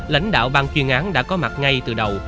lãnh đạo bang chuyên án đã có mặt ngay từ đầu